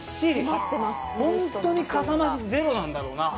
ホントにかさ増しゼロなんだろうな。